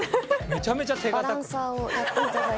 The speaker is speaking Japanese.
めちゃめちゃ手堅く。